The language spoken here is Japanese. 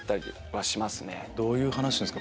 どういう話するんですか？